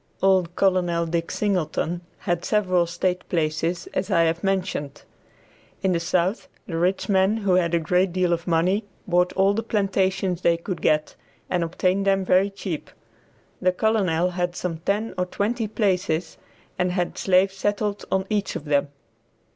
Old Col. Dick Singleton had several state places as I have mentioned. In the South, the rich men who had a great deal of money bought all the plantations they could get and obtained them very cheap. The Colonel had some ten or twenty places and had slaves settled on each of them.